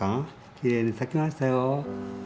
きれいに咲きましたよ。